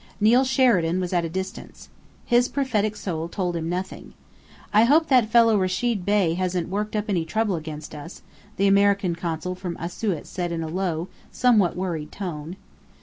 Neill Sheridan was at a distance. His prophetic soul told him nothing. "I hope that fellow Rechid Bey hasn't worked up any trouble against us," the American Consul from Asiut said in a low, somewhat worried tone.